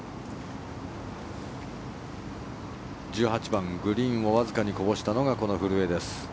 １８番、グリーンをわずかにこぼしたのがこの古江です。